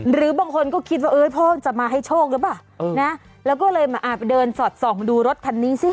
หรือบางคนก็คิดว่าเอ้ยพ่อจะมาให้โชคหรือเปล่านะแล้วก็เลยมาเดินสอดส่องดูรถคันนี้สิ